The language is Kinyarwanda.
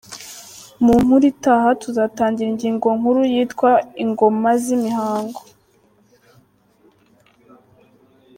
Mu nkuru itaha tuzatangira ingingo nkuru yitwa“Ingoma-z’Imihango” .